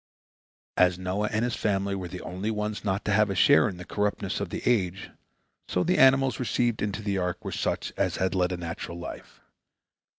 As Noah and his family were the only ones not to have a share in the corruptness of the age, so the animals received into the ark were such as had led a natural life.